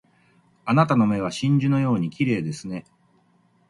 あなたの目は真珠のように綺麗ですね